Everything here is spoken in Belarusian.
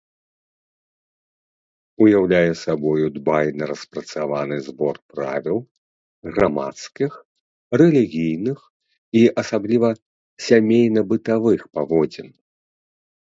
Уяўляе сабою дбайна распрацаваны збор правіл грамадскіх, рэлігійных і асабліва сямейна-бытавых паводзін.